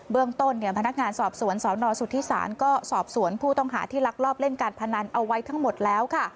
เรื่องต้นพนักงานสอบสวนสนสุธิศาลก็สอบสวนผู้ต้องหาที่ลักลอบเล่นการพนันเอาไว้ทั้งหมดแล้วค่ะ